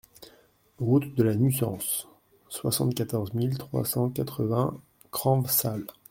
Route de la Nussance, soixante-quatorze mille trois cent quatre-vingts Cranves-Sales